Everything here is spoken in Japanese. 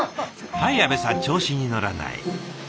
はい阿部さん調子に乗らない。